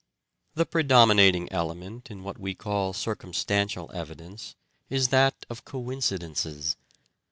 The predominating element in what we call circumstantial evidence is that of coincidences.